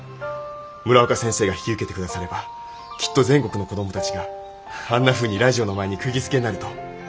村岡先生が引き受けて下さればきっと全国の子どもたちがあんなふうにラジオの前にくぎづけになると。